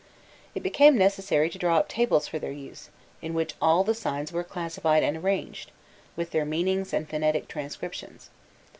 It became necessary to draw up tables for their use, in which all the signs were classified and arranged, with their meanings and phonetic transcriptions.